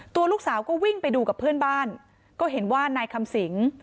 ตัวลูกสาวก็วิ่งไปดูกับเพื่อนบ้านก็เห็นว่านายคำสิง